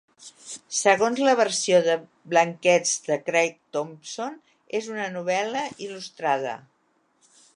Segons la versió de "Blankets" de Craig Thompson, és "una novel·la il·lustrada".